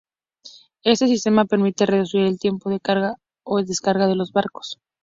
Este sistema permite reducir el tiempo de carga o descarga de los barcos.